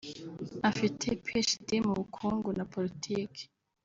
Afite PhD mu bukungu na Politiki